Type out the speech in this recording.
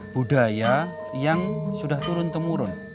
budaya yang sudah turun temurun